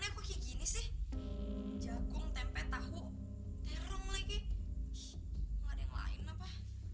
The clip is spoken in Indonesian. ya kukik ini sih jagung tempe tahu tereng lagi enggak ada yang lain apa